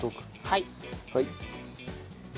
はい。